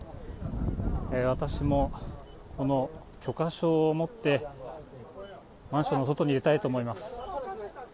私もこの許可証を持って、マンションの外に出たいと思います。